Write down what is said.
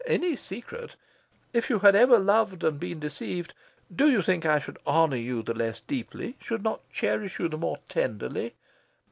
any secret... if you had ever loved and been deceived, do you think I should honour you the less deeply, should not cherish you the more tenderly?